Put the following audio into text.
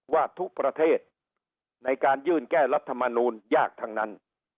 ว่าทุกประเทศในการยื่นแก้รัฐมนูลยากทั้งนั้น